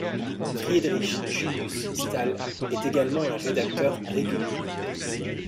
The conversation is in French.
Friedrich Julius Stahl est également un rédacteur régulier.